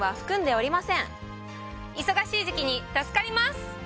忙しい時期に助かります！